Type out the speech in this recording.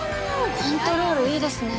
コントロールいいですね